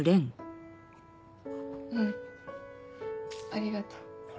うんありがとう。